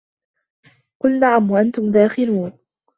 قُل نَعَم وَأَنتُم داخِرونَ